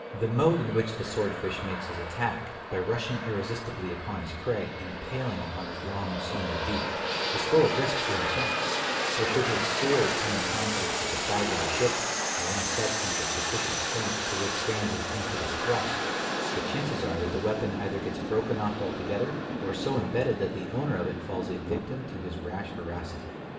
The mode in which the sword fish makes his attack, by rushing irresistibly upon his prey, and impaling it on his long, slender beak, is full of risk to himself; for should his "sword" come in contact with the sides of a ship, or any substance of sufficient strength to withstand his impetuous "thrust," the chances are that the weapon either gets broken off altogether, or so embedded that the owner of it falls a victim to his rash voracity.